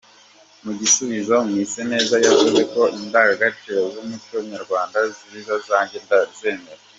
Mu gusubiza Mwiseneza yavuzo ko “Indangagaciro z’umuco nyarwanda ni nziza nanjye ndazemera.